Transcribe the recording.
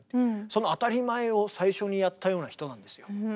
その当たり前を最初にやったような人なんですよ。